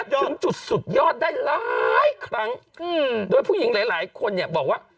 จนจุดสุดยอดได้หลายครั้งโดยผู้หญิงหลายคนบอกว่า